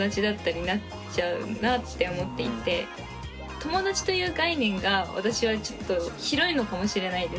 友達という概念が私はちょっと広いのかもしれないです。